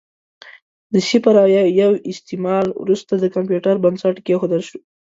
د صفر او یو استعمال وروسته د کمپیوټر بنسټ کېښودل شو.